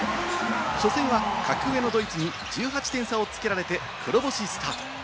初戦は格上のドイツに１８点差をつけられて黒星スタート。